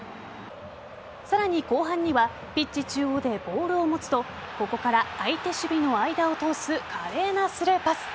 さらに後半にはピッチ中央でボールを持つとここから相手守備の間を通す華麗なスルーパス。